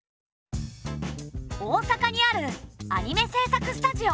大阪にあるアニメ制作スタジオ。